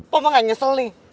papa gak nyesel nih